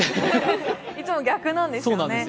いつも逆なんですよね。